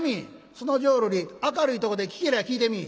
「その浄瑠璃明るいとこで聴けりゃ聴いてみぃ」。